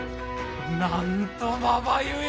なんとまばゆい！